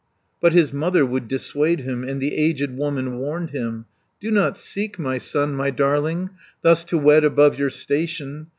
But his mother would dissuade him, And the aged woman warned him: "Do not seek, my son, my darling, Thus to wed above your station.